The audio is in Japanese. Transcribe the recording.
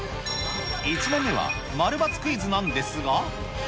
１問目は〇×クイズなんですが。